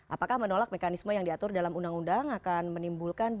apakah menolak mekanisme yang diatur dalam undang undang akan menimbulkan